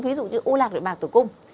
ví dụ như u lạc đội bạc tử cung